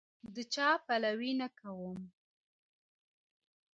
د چا پلوی نه کوم.